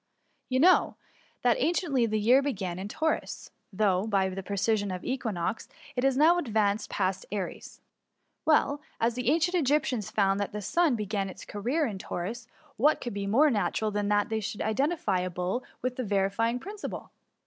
You know, that apciently the year began in Taurus, though, by the precession of the equinox, it has now advanced past Aries. Well, as the ancient Egyptians found that the sun St46 THE MUMICY. began its career in Taurus, what could be more natural than that they should identify a bull with the vivifying principle